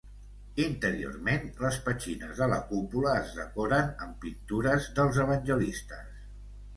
Interiorment les petxines de la cúpula es decoren amb pintures dels evangelistes.